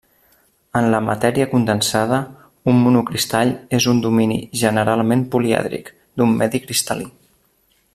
En la matèria condensada, un monocristall és un domini, generalment polièdric, d'un medi cristal·lí.